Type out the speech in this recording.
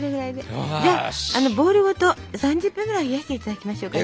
じゃあボウルごと３０分ぐらい冷やしていただきましょうかね。